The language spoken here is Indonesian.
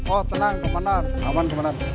oh tenang komandan aman komandan